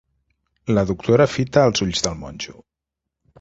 La doctora fita els ulls del monjo.